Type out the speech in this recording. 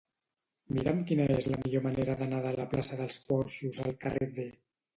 Mira'm quina és la millor manera d'anar de la plaça dels Porxos al carrer D.